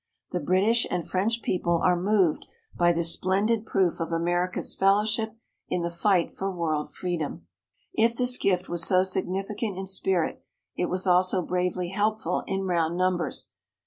The British and French people are moved by this splendid proof of America's fellowship in the fight for world freedom." If this gift was so significant in spirit, it was also bravely helpful in round numbers.